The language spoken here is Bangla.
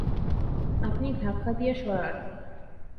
আপনি ধাক্কা দিয়ে সরান!